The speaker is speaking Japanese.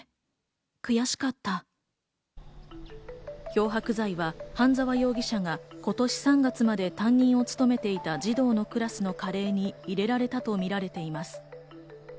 漂白剤は半沢容疑者が今年３月まで担任を務めていた児童のクラスにカレーに入れられたとみられています。